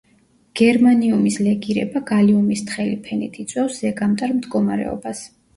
გერმანიუმის ლეგირება გალიუმის თხელი ფენით იწვევს ზეგამტარ მდგომარეობას.